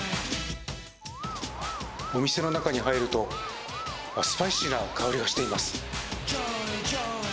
お店の中に入ると、スパイシーな香りがしています。